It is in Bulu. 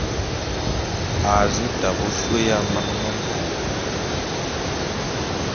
A zu tabe ôsôé yat e mane me nku.